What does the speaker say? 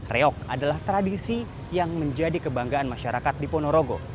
reok adalah tradisi yang menjadi kebanggaan masyarakat di ponorogo